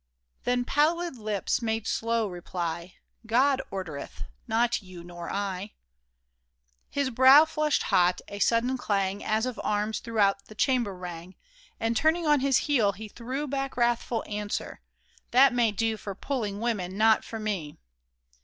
" Then pallid lips made slow reply —" God ordereth. Not you nor I !" KING IVAN'S OATH 1 95 His brow flushed hot ; a sudden clang As of arms throughout the chamber rang, And turning on his heel, he threw Back wrathful answer :'' That may do For puling women — not for me